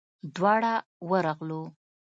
دواړه ورغلو.